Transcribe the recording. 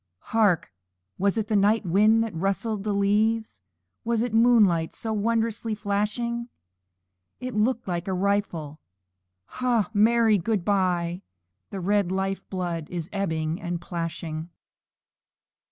Hark! was it the night wind that rustled the leaves? Was it moonlight so wondrously flashing? It looked like a rifle: "Ha! Mary, good by!" And his life blood is ebbing and splashing.